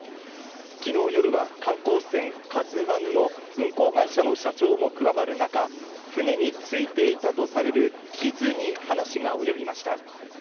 昨日夜は観光船「ＫＡＺＵⅠ」の運航会社の社長も加わる中、船についていたとされる傷に話がおよびました。